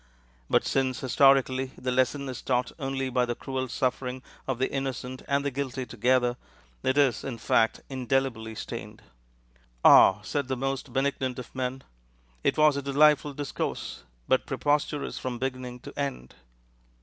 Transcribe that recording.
But since historically the lesson is taught only by the cruel suffering of the innocent and the guilty together, it is, in fact, indelibly stained. "Ah!" said the most benignant of men, "it was a delightful discourse, but preposterous from beginning to end."